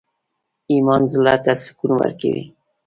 ایمان زړه ته سکون ورکوي